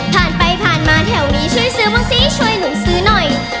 ผ่านไปผ่านมาแถวนี้ช่วยซื้อบ้างสิช่วยหนูซื้อหน่อย